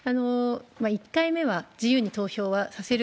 １回目は自由に投票はさせる。